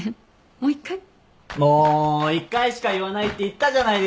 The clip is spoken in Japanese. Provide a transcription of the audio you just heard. もう一回。も一回しか言わないって言ったじゃないですか。